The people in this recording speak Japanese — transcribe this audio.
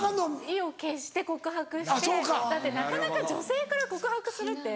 意を決して告白してだってなかなか女性から告白するって。